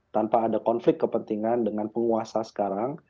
tanpa ada konflik kepentingan dengan penguasa sekarang